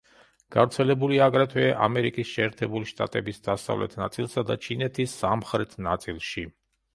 გავრცელებულია აგრეთვე ამერიკის შეერთებული შტატების დასავლეთ ნაწილსა და ჩინეთის სამხრეთ ნაწილში.